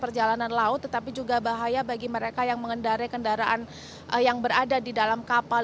perjalanan laut tetapi juga bahaya bagi mereka yang mengendari kendaraan yang berada di dalam kapal